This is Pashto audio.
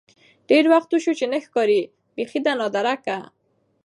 ډېر وخت وشو چې نه ښکارې بيخې ده نادركه.